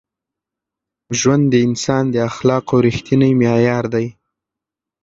ژوند د انسان د اخلاقو رښتینی معیار دی.